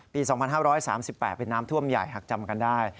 ปี๒๕๓๘เป็นน้ำท่วมใหญ่หากจำกันได้